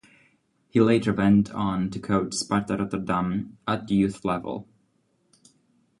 He later went on to coach Sparta Rotterdam at youth level.